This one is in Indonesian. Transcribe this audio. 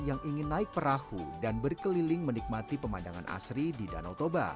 yang ingin naik perahu dan berkeliling menikmati pemandangan asri di danau toba